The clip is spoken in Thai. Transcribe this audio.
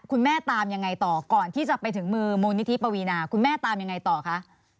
คุณแม่ตามยังไงต่อก่อนที่จะไปถึงมือมูลนิธิปวีนาคุณแม่ตามยังไงต่อคะ